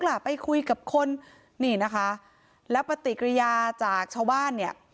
ล่ะไปคุยกับคนนี่นะคะแล้วปฏิกิริยาจากชาวบ้านเนี่ย